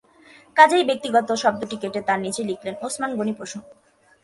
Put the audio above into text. কাজেই ব্যক্তিগত শব্দটি কেটে তার নিচে লিখলেন- ওসমান গনি প্রসঙ্গ।